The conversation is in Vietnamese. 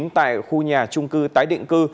tại khu nhà trung cư tái định cư